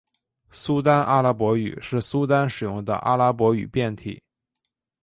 苏丹阿拉伯语是苏丹使用的阿拉伯语变体。